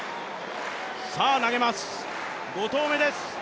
さあ投げます、５投目です。